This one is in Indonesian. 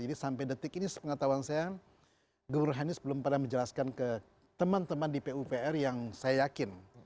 jadi sampai detik ini sepengetahuan saya gubernur anies belum pernah menjelaskan ke teman teman di pupr yang saya yakin